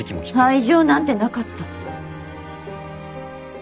愛情なんてなかった。